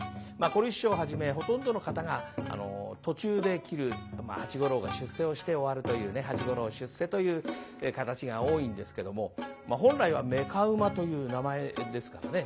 小柳枝師匠をはじめほとんどの方が途中で切る八五郎が出世をして終わるというね「八五郎出世」という形が多いんですけども本来は「妾馬」という名前ですからね